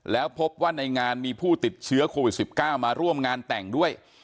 แล้วพบว่าในงานมีผู้ติดเชื้อโควิด๑๙มาร่วมงานแต่งด้วย